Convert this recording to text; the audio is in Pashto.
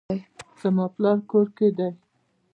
زما پلار کور کې دی